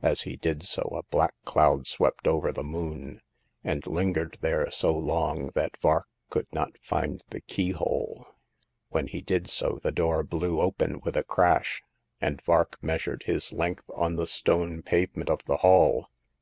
As he did so, a black cloud swept before the moon, and lingered there so long that Vark could not find the keyhole. When he did so, the door blew open with a crash, and Vark measured his length on the stone pavement of the hall.